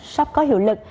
sắp có hiệu lực